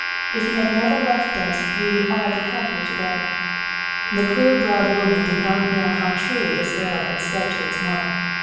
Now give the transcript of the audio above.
If he had never left us we would all be happier to day." The clear browed woman did not know how truly this arrow had sped to its mark.